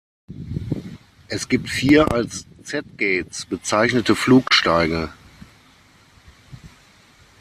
Es gibt vier als „Z-Gates“ bezeichnete Flugsteige.